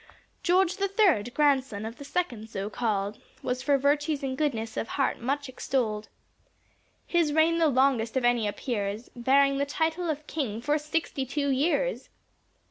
George the third, grandson of the second, so called, Was for virtues and goodness of heart much extolled. His reign the longest of any appears, Bearing title of king for sixty two years.